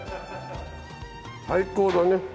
最高だね！